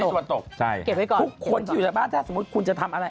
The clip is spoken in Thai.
ทุกคนที่อยู่ในบ้านถ้าสมมุติคุณจะทำอะไร